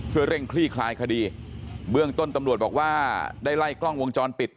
เพื่อเร่งคลี่คลายคดีเบื้องต้นตำรวจบอกว่าได้ไล่กล้องวงจรปิด